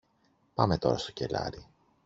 Πάμε τώρα στο κελάρι.